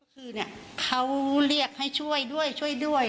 คือเนี่ยเขาเรียกให้ช่วยด้วยช่วยด้วย